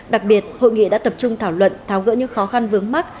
đặc biệt hội nghị đã tập trung thảo luận tháo gỡ những khó khăn vướng mắt